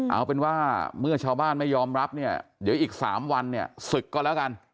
เอาเป็นว่าเมื่อชาวบ้านไม่ยอมรับเนี่ยเดี๋ยวอีก๓วันเนี่ยศึกก่อนแล้วกัน